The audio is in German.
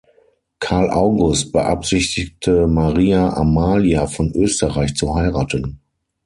Karl August beabsichtigte Maria Amalia von Österreich zu heiraten.